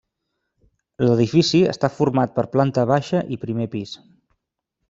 L'edifici està format per planta baixa i primer pis.